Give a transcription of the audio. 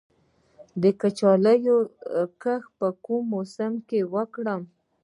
د کچالو کښت په کوم موسم کې وکړم؟